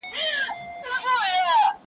فرعون غوټه د خپل زړه کړه ورته خلاصه .